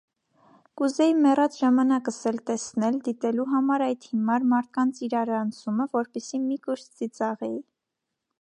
Կուզեի մեռած ժամանակս էլ տեսնել՝ դիտելու համար այդ հիմար մարդկանց իրարանցումը, որպեսզի մի կուշտ ծիծաղեի: